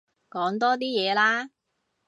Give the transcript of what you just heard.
講多啲嘢啦